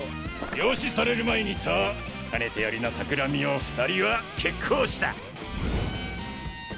病死される前にとかねてよりの企みを２人は決行した。